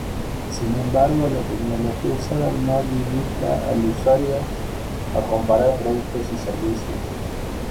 Sin embargo, la tecnología usada no limita al usuario a comparar productos y servicios.